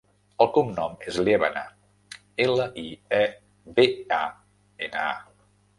El cognom és Liebana: ela, i, e, be, a, ena, a.